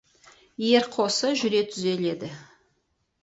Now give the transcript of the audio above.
Ер қосы жүре түзеледі.